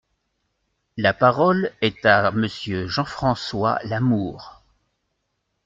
La parole est à Monsieur Jean-François Lamour.